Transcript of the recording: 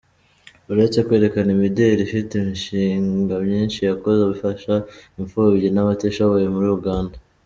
Uretse kwerekana imideli , afite imishinga myinshi yakoze ifasha imfubyi n’abatishoboye muri Uganda.